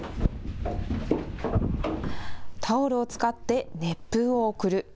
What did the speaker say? タオルを使って熱風を送る。